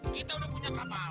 kita udah punya kapal